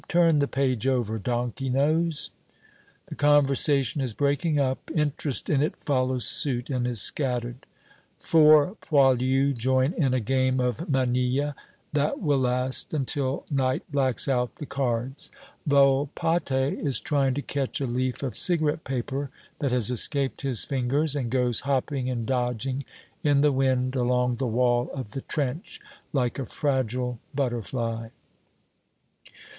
Turn the page over, donkey nose." The conversation is breaking up; interest in it follows suit and is scattered. Four poilus join in a game of manille, that will last until night blacks out the cards. Volpatte is trying to catch a leaf of cigarette paper that has escaped his fingers and goes hopping and dodging in the wind along the wall of the trench like a fragile butterfly.